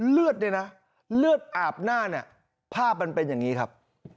เลือดเนี่ยนะเลือดอาบหน้าเนี่ยภาพมันเป็นอย่างนี้ครับ